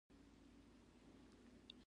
د هغوی د انتظار شېبې ډېرې پسې اوږدې نه شوې